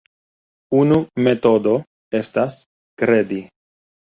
Unu metodo estas kredi.